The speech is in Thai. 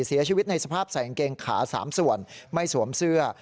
เสียชีวิตในสภาพใส่กางเกงขา๓ส่วนไม่สวมเสื้อ